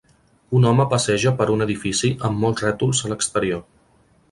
Un home passeja per un edifici amb molts rètols a l'exterior.